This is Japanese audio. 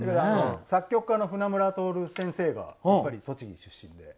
作曲家の船村徹先生が栃木出身で。